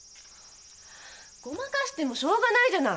ごまかしてもしょうがないじゃない。